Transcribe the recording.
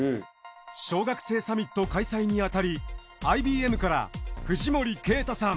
小学生サミット開催にあたりＩＢＭから藤森慶太さん